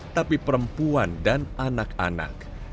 tapi perempuan dan anak anak